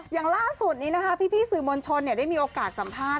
อย่างล่าสุดนี้พี่ซืมนชนได้มีโอกาสสัมภาษณ์